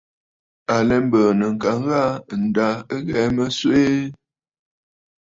À lɛ mbɨ̀ɨ̀nə̀ ntəə ŋka ghaa, ǹda ɨ ghɛɛ̀ mə swee.